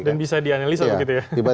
dan bisa dianalisa begitu ya